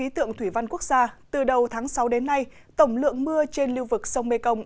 tổng thủy văn quốc gia từ đầu tháng sáu đến nay tổng lượng mưa trên lưu vực sông mê công